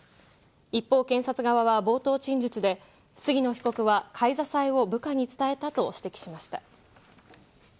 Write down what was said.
一方、検察側は冒頭陳述で、杉野被告は買い支えを部下に伝えたと指摘しました。